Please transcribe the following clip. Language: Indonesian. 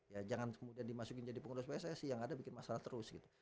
ya jangan kemudian dimasukin jadi pengurus pssi yang ada bikin masalah terus gitu